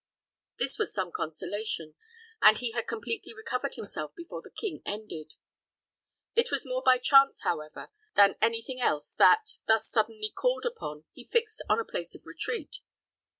This was some consolation, and he had completely recovered himself before the king ended. It was more by chance, however, than any thing else that, thus suddenly called upon, he fixed on a place of retreat.